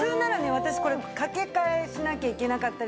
私これかけ替えしなきゃいけなかったりするんでしょ？